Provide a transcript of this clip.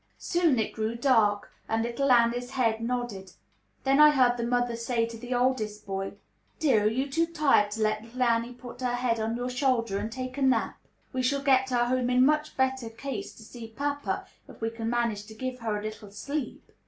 Soon it grew dark, and little Annie's head nodded. Then I heard the mother say to the oldest boy, "Dear, are you too tired to let little Annie put her head on your shoulder and take a nap? We shall get her home in much better case to see papa if we can manage to give her a little sleep."